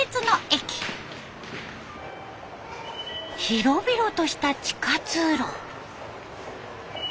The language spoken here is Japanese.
広々とした地下通路。